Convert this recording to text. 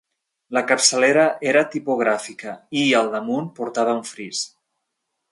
La capçalera era tipogràfica, i al damunt portava un fris.